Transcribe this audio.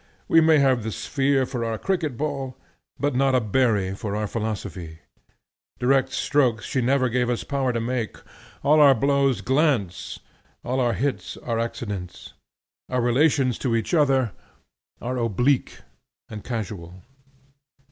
We may have the sphere for our cricket ball, but not a berry for our philosophy. Direct strokes she never gave us power to make; all our blows glance, all our hits are accidents. Our relations to each other are oblique and casual.